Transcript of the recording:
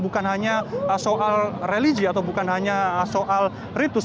bukan hanya soal religi atau bukan hanya soal ritus